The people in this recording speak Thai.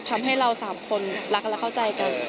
ทำให้เราสามคนรักและเข้าใจกัน